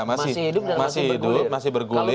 masih hidup dan masih bergulir